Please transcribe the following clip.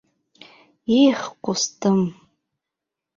Их, ҡустым!